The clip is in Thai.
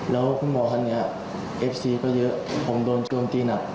แล้วตอนนี้เอฟซีก็เยอะผมโดนจวมจีน